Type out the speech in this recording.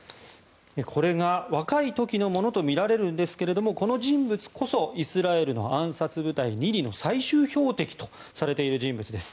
これが若い時のものとみられるんですがこの人物こそイスラエルの暗殺部隊ニリの最終標的とされている人物です。